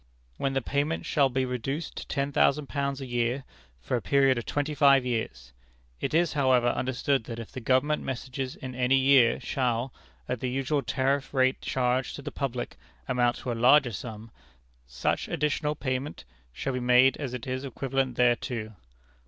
when the payment shall be reduced to ten thousand pounds a year, for a period of twenty five years. "It is, however, understood that if the Government messages in any year shall, at the usual tariff rate charged to the public, amount to a larger sum, such additional payment shall be made as is equivalent thereto.